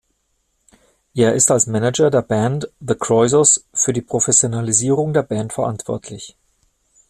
Er ist als Manager der Band The Kroisos für die Professionalisierung der Band verantwortlich.